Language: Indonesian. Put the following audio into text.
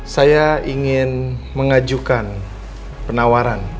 saya ingin mengajukan penawaran